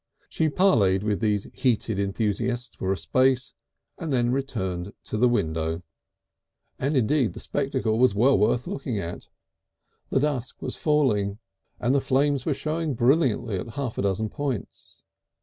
She parleyed with these heated enthusiasts for a space, and then returned to the window. And indeed the spectacle was well worth looking at. The dusk was falling, and the flames were showing brilliantly at half a dozen points.